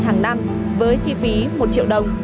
hàng năm với chi phí một triệu đồng